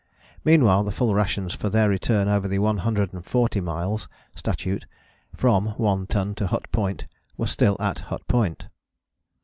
Meanwhile the full rations for their return over the 140 miles (statute) from One Ton to Hut Point were still at Hut Point.